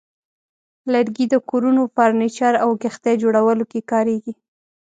لرګي د کورونو، فرنیچر، او کښتۍ جوړولو کې کارېږي.